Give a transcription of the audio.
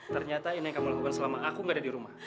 ternyata ini yang kamu lakukan selama aku gak ada di rumah